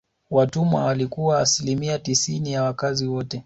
Watumwa walikuwa asilimia tisini ya wakazi wote